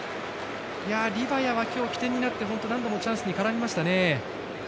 リバヤは今日起点となって今日何度もチャンスでからみましたね。